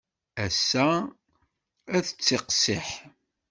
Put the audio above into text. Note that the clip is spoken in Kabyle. Ass-a ad d-tettiqsiḥ.